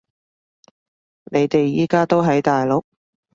你哋而家都喺大陸？